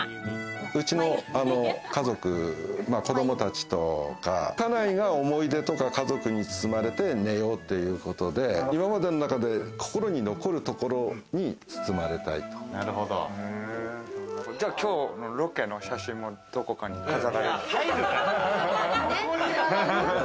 うちの家族、子供たちと、家内が思い出とか家族に包まれて寝ようっていうことで、今までの中で心に残るところに今日のロケの写真もどこかに飾られる？